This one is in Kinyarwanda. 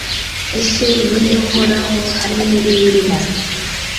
isi ni iy'uhoraho, hamwe n'ibiyirimo